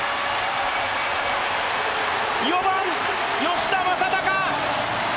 ４番・吉田正尚！